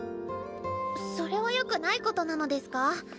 それはよくないことなのデスカ？